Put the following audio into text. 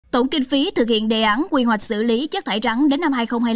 tổng kinh phí thực hiện đề án quy hoạch xử lý chất thải rắn đến năm hai nghìn hai mươi năm